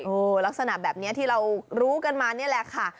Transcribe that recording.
ลักษณะแบบนี้ที่เรารู้กันมานี่แหละค่ะ